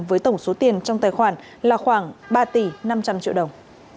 với tổng số tiền trong tài khoản là khoảng ba tỷ năm trăm linh triệu đồng